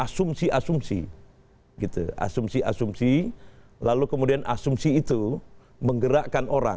asumsi asumsi gitu asumsi asumsi lalu kemudian asumsi itu menggerakkan orang